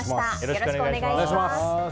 よろしくお願いします。